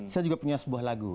saya juga punya sebuah lagu